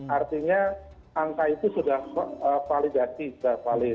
artinya angka itu sudah validasi sudah valid